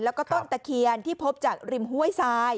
แล้วก็ต้นตะเคียนที่พบจากริมห้วยทราย